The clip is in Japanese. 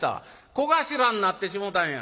「小頭になってしもたんや」。